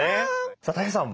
さあたい平さん